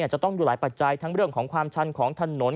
จะต้องอยู่หลายปัจจัยทั้งเรื่องของความชันของถนน